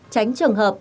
tránh trường hợp